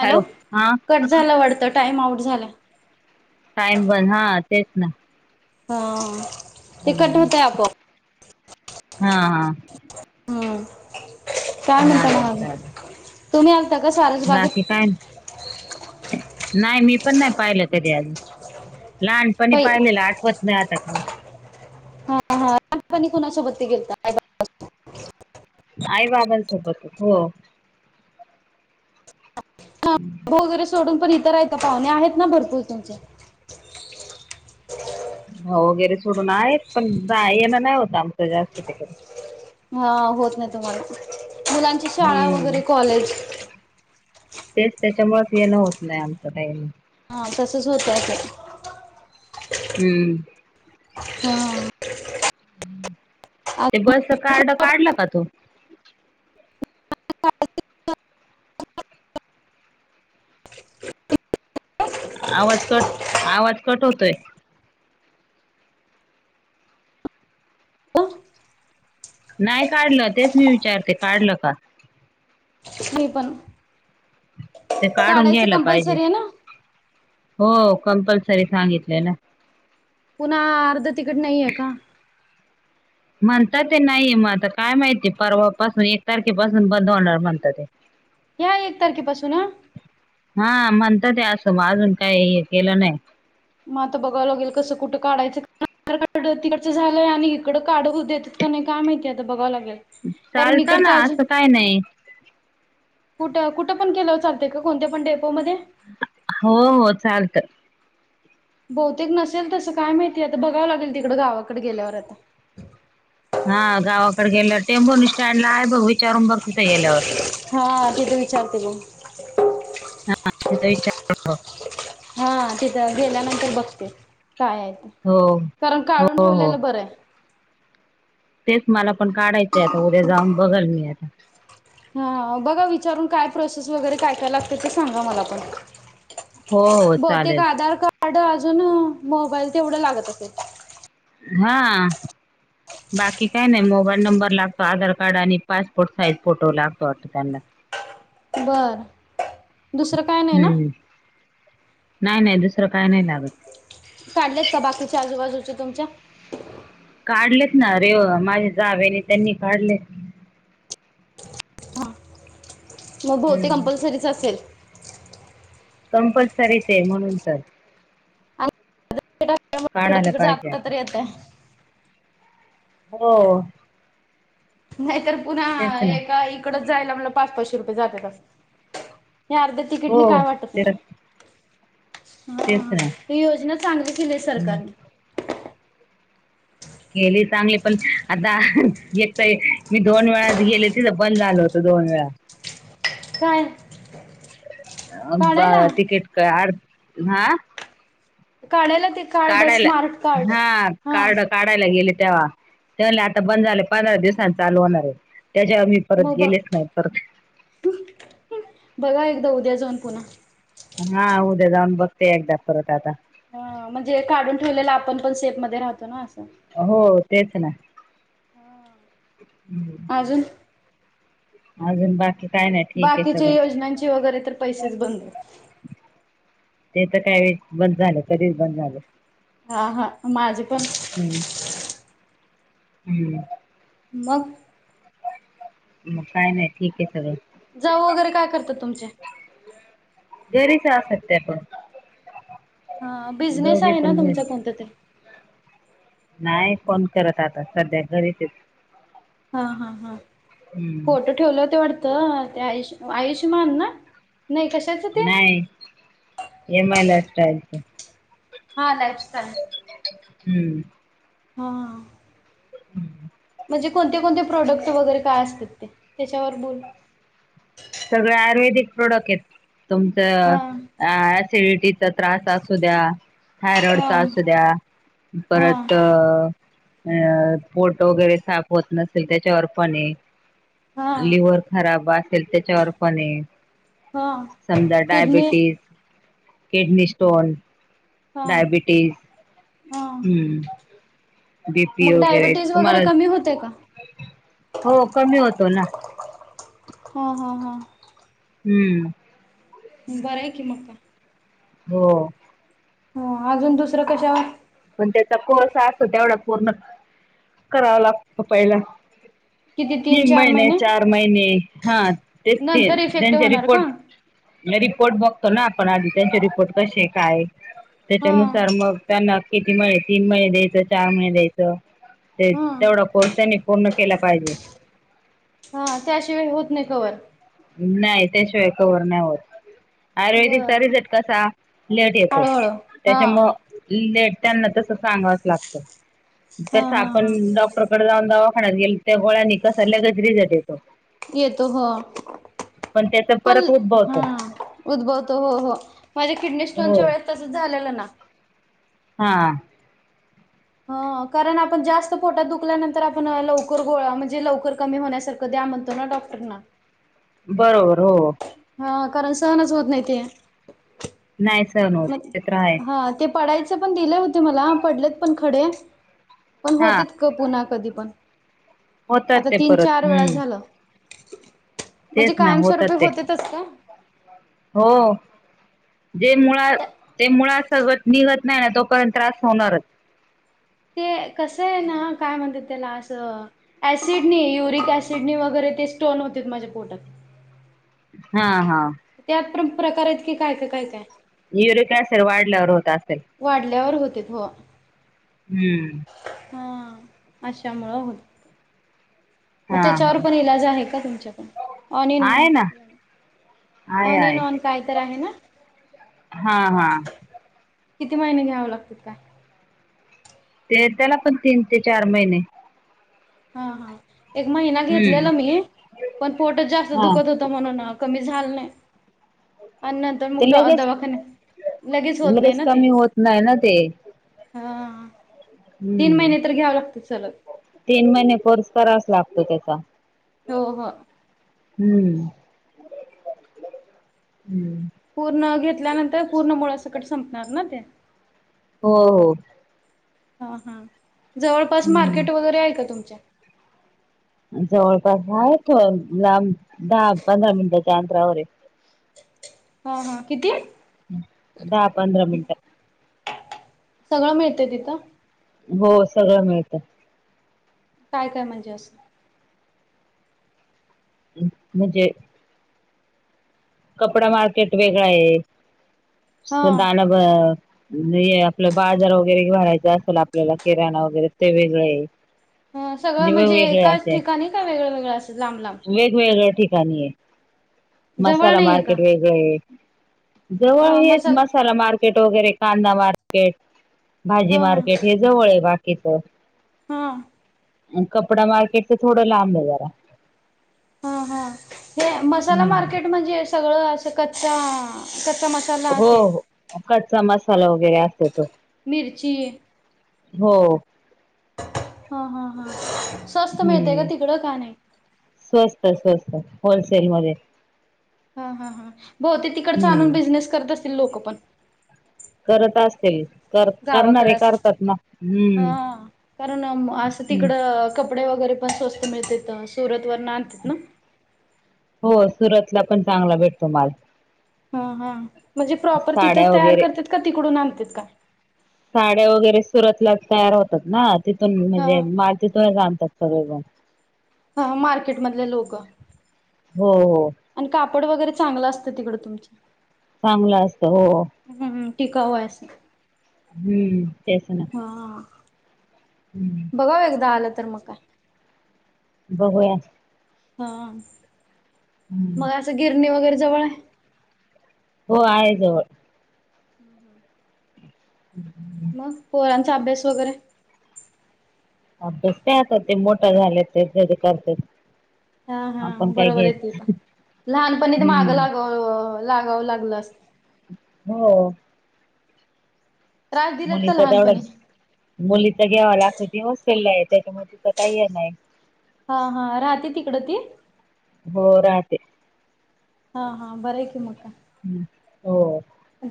Hello, cut झाला वाडतं time out झाला. टाइम पण हा तेच ना. हा हा, ते कट होतंय आपो आप. हा हा हा, चालल चालल. तुम्ही आलता का सारंग. बाकी काय. नाय मी पण नाही पाहिलं तरी आज लहान. प नी पै पाहिलेलं आठवत नाही आता का. हा, हाणी कोणासोबतती गेलत. आई बाबांसोबत हो, हा वगैरे सोडून पण इतरायत पाहुणे आहेत ना भरपूर तुमचे हो वगैरे सोडून आयेत पण जा येणं नाइहोतं आमच जास्त तिकडे हा होत नइ तुमाला मुलांची शाळा हम्म वगैरे कॉलेज तेच तेच्यामुळेच येणं होत नइआमचं काइ हा तसंच होतं अस हम्म हा ते बस च कार्ड काढला का तु आवाज कट आवाज कट होतोय नाय काडलं तेच मी विचारतेय काडलं का नइ पण ते काडुन काढायचं घ्यायला पाहिजे कंपल्सरी आहे ना हो कंपल्सरी सांगितलय ना पुना आर्ध तिकीट नाहीये का म्हणताते नाइये मग आता काय माहितीय परवा पासून एक तारखेपासून बंद होणार म्हणतात ते ह्या एक तारखे पाासून ह हा म्हणताते असं म आजून काय हे केलं नाइ म आता बघव लागेल कसं कुठं काडायचं आधार कार्ड तिकडचं झालंय आणि इकडं काडु देत्यात का नाई काय माहिती आता बघावं लागेल कारण चालतं ना इकडचं आजु असं काय नाही कुट कुट पण केलं चालतय का कोणत्या डेपोमदे हो हो चालत बहुतेक नसेल तसं काय माहितीय आता बघावं लागेल तिकडं गावाकडे गेल्यावर आता हा गावाकडे गेल्यावर टेबुर्णि स्टँडला आहे बघ विचारून बघ तित गेल्यावर हा तेित तर विचारते बग [unintelligible] [unintelligible] [unintelligible] [unintelligible] हा तित गेल्यानंतर बनते कायए ते हो. कारण हो काडुन हो ठेवलेलं बरं य तेच मला पण काढाचय आता उद्या जाऊन बघाल मी आता हा बगा विचारून काय प्रोसेस वगैरे काय काय लागतय ते सांगा मला पण हो हो बहुतेक चालेल आधार कार्ड अजून मोबाईल तेवड लागत असेल हा बाकी काय नाइ मोबाईल नंबर लागतो आधार कार्ड आणि पासपोर्ट साईज फोटो लागतो वाटत त्याना बर दुसरं काय नइ ना नाय नाय दुसरं काय नाई लागत काडलेत का बाकीचे आजूबाजूचे तुमच्या काडलेत ना रे माझे जावेने तेनी काढले हा मग भोवतेक हम्म कंपल्लसरीच असेल कंपल्सरीचए म्हणून तर आणि [unintelligible] काढायला [unintelligible] पाहिजे आता. [unintelligible] [unintelligible] हो नाहीतर पुना तेच ना इकडच जायला मला पाच पाचशे रुपये जात्यात हे अर्ध तिकीटने हो वाटत ते नाई हा तेच ना ह योजना चांगली केलीया हम्म सरकारने केली चांगली पण आता एक तर मी दोन वेळा गेले त तर बंद झालो होतो दोन वेळा. [inaudible] बा काढायला तिकीट का अर्थ हा? काढायला ते कार्ड काढायला स्मार्ट कार्ड हा काड काढायला गेले तेव्हा ते म्हणले आता बंद झाले पंधरा दिवसांनी चालू होणारय त्याच्यावर मी परत मग बघ गेलेच नाही परत बघा एकदा उद्या जाऊन पुन्हा. हा उद्या जाऊन बघते एकदा परत आता. हा म्हणजे काढून ठेवलेलं आपण पण शेप मध्ये राहतो ना असं. हो तेच ना. हा, अजून अजून बाकी. काय नाही ठीक आहे बाकीच्या सगळं योजनांचे वगैरे तर पैसेच बंदयत. ते तर काय बंद झालं कधीच बंद झालं. हा हा माझे पण हम्म हम्म. मग? मग काय नाही ठीक आहे सगळ. जाऊ वगैरे काय करतात तुमचे? घरीच असत्यात त्या पण. हा, बिझनेस दोघी आहे ना पण घरी तुमचा कोणता तरी? नाही कोन करत आता सध्या घरीचयत. हा हा हा हम्म फोटो ठेवलं होते वाटतं ते आयुष आयुष्यमान ना? नाही कशाच? नाही एम [unintelligible] हा लाईफ स्टाईल. हम्म. हां. [inaudible] म्हणजे कोणते कोणते प्रोडक्ट वगैरे काय असतात ते? त्याच्यावर बोलु. सगळे आयुर्वेदिक प्रोडक् आहेत तुमचं हा ॲसिडिटी त्रास असू द्या, हा थायरॉइडचा असू द्या हा परत अ पोट वगैरे साफ होत नसेल त्याच्यावर पणय. हा लिव्हर खराब असेल त्याच्यावर पणय. हा समजा किडनी डायबिटीस, किडनी स्टोन हा डायबिटीज. हा हम्म बीपी मग वगैरे डायबिटीज तुम्हाला वगैरे कमी होते का हो कमी होतो ना. हां हां हां. हम्म. बरं आहे की मग. हो. हो अजून दुसरं कशावर? पण त्याचा कोर्स असतो तेवढा पूर्ण करावा लागतो पहिला. तीन महिने चार महिने हा तेच ते नंतर इफेक्ट त्यांचे होणार का? रिपोर्ट रिपोर्ट बघतो ना आपण आधी, रिपोर्ट कसे काय हा त्याच्यानुसार मग. त्यांना किती मळे? तीन मळे द्यायचं, चार मळे द्यायचं. ते हा तेवढा कोर्स त्यांनी पूर्ण केला पाहिजे. हा, त्याशिवाय होत नाही कवर. नाही, बं त्याशिवाय कवर नाही होत. बर आयुर्वेदिकचा रिझल्ट कसा लेट येतो. हळूहळू. हा. त्याच्यामुळ लेट त्यांना तस सांगावच लागतं, हा तस हा आपण हा डॉ क्टरकडे जाऊन दवाखानत गेल त्या गोळ्यानी कस लगेच रिझल्ट येतो. येतो हो, पण त्याच पण परत उद्भवत ह. उद्भवतो हो हो. माझ्या किडणी स्टोनच्या हो वेळेत तसंच झालेलं ना. हां. ह कारण आपण जास्त पोटात दुखल्यानंतर आपण लवकर गोळा म्हणजे लवकर कमी होण्यासा कधी आ म्हणतो ना डॉक्टरना. बरोबर हो. हा कारण सहनच होत नाही ते. नाहीच क हा, ते पडायचं पण दिलं होते मला पडलेत पण खडे. पण हा होतेच क पुन्हा कधी पण. होतात आता ते परत तीन-चार वेळा हम्म झालं. म्हणजे तेच ना, कायमस्वरूपी होतात ते. होतेतच का हो. जे मुळ ते मुळ सगळ निघत नाही ना तोपर्यंत त्रास होणारच. ते कसं आहे ना, काय म्हणतात त्याला असं ऍसिडनी युरिक ऍसिडनी वगैरे ते स्टोन होते माझ्या पोटात. हा हा. त्यात पण प्रकार इत कि काय काय काय काय. युरीक ऍसीड वाढल्यावर होत असेल. वाढल्यावर होतय हो. हम्म. हं, अशामुळं होतय. मग हा त्याच्यावर हा पण इलाज आहे का तुमच्याकड? ऑनियन आहे ना आहे ऑन अन ऑन काय तर आहे ना. हां हां. किती महिने घ्यावं लागत काय? ते त्याला पण तीन ते चार महिने. हा हा, एक महिना हम्म घेतलेला मी पण पोटात जास्त हा दुखत होत म्हणून कमी झालं नाही. आणि नंतर मग ते लगेच दवाखाने, लगेच होत नाही ना ते. कमी होत नाही ना ते हा, तीन हम्म महिने तर घ्यावं लागतं सरळ. तीन महिने कोर्स करावाच लागतो त्याचा. हो हो. हम्म हम्. पूर्ण घेतल्यानंतर पूर्ण मुळा सकट संपणार ना ते. हो हो. हा हा‌. जवळपास हम्म मार्केट वगैरे आहे का तुमच्या? जवळपास आहे लांब दहा-पंधरा मिनिटाच्या अंतरावर आहे. हा हा, किती? दहा-पंधरा मिनटं. सगळं मिळतय तिथं. हो सगळं मिळतं. काय काय म्हणजे असं? म्हणजे, [inaudible] कपडा मार्केट वेगळा आहे, हा [unintelligible] आपलं बाजार वगैरे भरायच असेल आपल्याला किराणा वगैरे ते वेगळ आहे. [unintelligible] ह सगळं म्हणजे वेगवेगळे एकाच असे ठिकाणी का वेगळं वेगळं असं लांब लांब वेगवेगळ ठिकाणी आहे. जवळ मसाला नाहीये का मार्केट वेगळ आहे, जवळ हा हे मसाल मसाला मार्केट. मार्केट वगैरे कांदा मार्केट भाजी हा मार्केट हे जवळ आहे बाकीच. हा कपडा मार्केट तर थोडं लांब आहे जरा हा हा हे मसाला हम्म. मार्केट म्हणजे सगळं असं कच्चा मसाला हो ते हो कच्चा मसाला वगैरे असतो तो. मिरची हो हो हा हा हा स्वस्त मिळते का हम्म तिकडं का नाही स्वस्त स्वस्त होलसेल मध्ये. हा हा हा हो बहुतेक तिकडचं आणुन हम्म. बिझनेस करत असतील लोक पण, करत असतील. कर गावाकड करणारे असं करतात ना. हम्म हा कारण असं हम् तिकडं कपडे वगैरे पण स्वस्त मिळते सुरत वरन अणतात ना. हो सुरतला पण चांगला भेटतो माल. हा हा म्हणजे प्रॉपर साड्या तिथंच तयार वगैरे करतात का तिकडून आणतात. साड्या वगैरे सुरतला तयार होतात ना, तिथून हा म्हणजे माल तिथून आणतात सगळेण. हा मार्केटमधले लोक हो हो आणि कापड वगैरे चांगलं असतं तिकडं तुमचं चांगलं असतं हो. हम्म हम्म टिकाऊ असतं. हम्म तेस ना हा हम्म बघाव एकदा आलं तर मग काय. बघूया. हा हम्म. मग असं गिरणी वगैरे जवळ आहे. हो आहे जवळ हम्म हम् [inaudible] [inaudible] मग पोरांचा अभ्यास वगैरे अभ्यास काय आता ते मोठ झालेत ते तेचे करतात. हा हा आपण काय बरोबर आहे ते घ्यायच पण लहानपणी ते माग हम्म लागा लागावं लागलं असत. हो त्रास दिलेत का मुलीचा एवढा लहानपणी मुलीचा घ्यावा लागतो ती हॉस्टेलला आहे त्याच्यामुळे तिथं काही आहे नाही. हा हा राहते तिकड ती? हो राहते हा हा बरं आहे की मग काय हो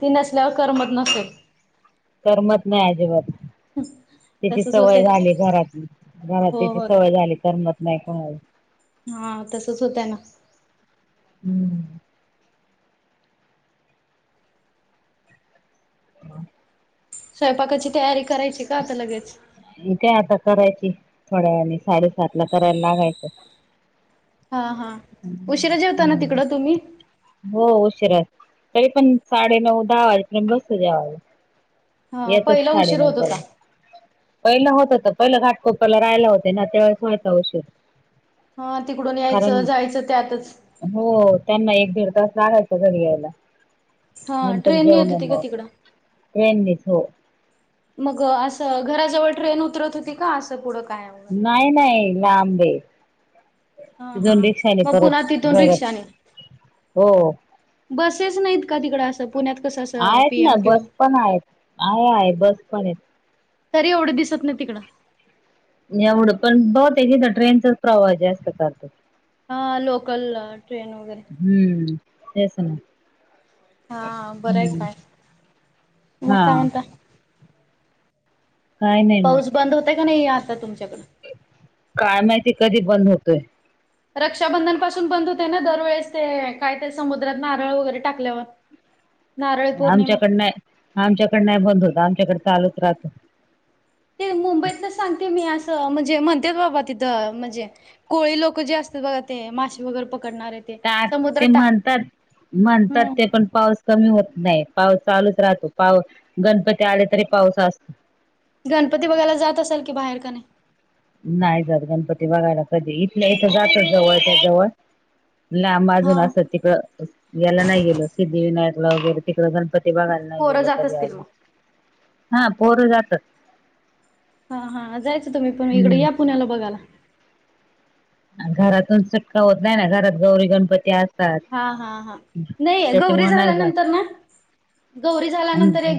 ती नसल्यावर करमत नसे करमत नाही अजिबात तिची तसच सवय होतय ते झाली घरातली घरात हो तिची हो सवय झाली करमत नाही कोणाला हा तसच होतय ना हम्म स्वयंपाकाची तयारी करायची का आता लगेच ते आता करायची थोड्या वेळानी साडेसातला करायला लागायचं हा हा उशिरा जेवताना तिकड तुम्ही हो उशिराच तरी पण साडे नऊ दहा वाजेपर्यंत बसतो जेवायला हे हा येतात पहिला उशीर साडेनऊ होत होता. पर्यंत पहिला होतं होत पहिलं घाटकोपरला राहायला होते ना त्यावेळेस व्हायचा उशीर हा तिकडून कारण यायचं जायचं त्यातच हो त्यांना एक दीड तास लागायचा घरी यायला हा नंतर ट्रेनने येत जेवण होती का मग तिकडं? ट्रेननिच हो मग असं घराजवळ ट्रेन उतरत होती का? असं पुढं काय नाही नाही लांबय हा हा तिथून रिक्षाने मग पुन्हा परत तिथून घर रिक्षाने. हो बसेस नाहीत का तिकड असं पुण्यात कसं अस आहेत ना बस पण आहेत आहे आहे बस पण आहेत तरी एवढं दिसत नाही तिकडं एवढं पण बहुतेक इथ ट्रेनचाच प्रवास जास्त करतात. हा लोकल ट्रेन वगैरे ह, तेच ना हा बरं आहे हू, काय मग हा काय म्हणता काय नाही मग पाऊस बंद होतंय का नाही आता तुमच्याकडं काय माहिती कधी बंद होतोय रक्षाबंधन पाासून बंद होतय ना दरवेळेस ते काय तर समुद्रात नारळ वगैरे टाकल्यावर नारळी पौर्णिमा. आमच्याकड नाही आमच्याकड नाही बंद होत आमच्याकड चालूच राहतो ते मुंबईतलच सांगते मी असं म्हणजे म्हणत्यात बाबा तिथं म्हणजे कोळी लोक जे असत्यात बघा ते मासे वगैरे पकडणारे समुद्रात ते टाक म्हणतात म्हणतात हम्म ते पण पाऊस कमी होत नाही पाऊस चालूच राहतो गणपती आले तरी पाऊस असतो. गणपती बघायला जात असाल की बाहेर का नाही? नाही जात गणपती बघायला कधी इथल्या इथं जात जवळ च्या जवळ लांब हा. अजून असं तिकडं याला नाही गेलो सिद्धिविनायकला वगैरे तिकडं गणपती बघायला नाही पोरं गेलो जात कधी असतील अजून मग हा पोर जातात हा हा जायचं तुम्ही पण इकडे हम्म या पुण्याला बघायला. घरातून सुटका होत नाही ना, घरात गौरी गणपती अस हा हा हा नाही गौरी नाही झाल्यानंतरन गौरी झाल्यानंतर जात एक